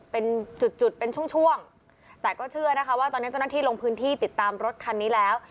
เป็นจุดจุดเป็นช่วงช่วงแต่ก็เชื่อนะคะว่าตอนนี้เจ้าหน้าที่ลงพื้นที่ติดตามรถคันนี้แล้ว